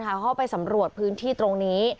เขาไปสำรวจพื้นที่ตรงนี้